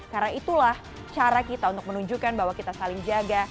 karena itulah cara kita untuk menunjukkan bahwa kita saling jaga